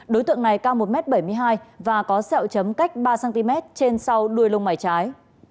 đối tượng này cao một m bảy mươi hai và có sẹo chấm cách ba cm trên sau đuôi lông mày trái